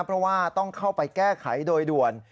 เพราะว่าต้องเข้าไปแก้ไขโดยด่วน